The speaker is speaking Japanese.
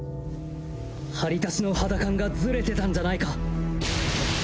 張り足しの肌感がずれてたんじゃないか？